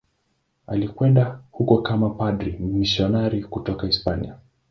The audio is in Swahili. Alikwenda huko kama padri mmisionari kutoka Hispania.